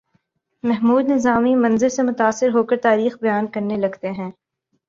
محمود نظامی منظر سے متاثر ہو کر تاریخ بیان کرنے لگتے ہیں